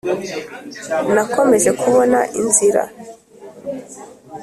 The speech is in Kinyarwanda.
nakomeje kubona inzira,